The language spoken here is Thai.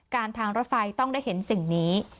ทางรถไฟต้องได้เห็นสิ่งนี้